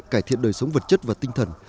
cải thiện đời sống vật chất và tinh thần